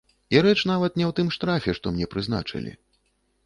І рэч нават не ў тым штрафе, што мне прызначылі.